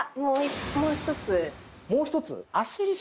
もう一つ？